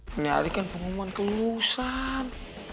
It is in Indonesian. menyarikan pengumuman kelusan